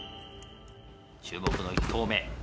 注目の１投目。